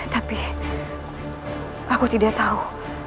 tapi aku tidak tahu